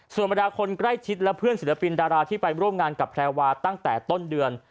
ส่วนบรรดาคนใกล้ชิดและเพื่อนศิลปินดาราที่ไปร่วมงานกับแพรวาตั้งแต่ต้นเดือน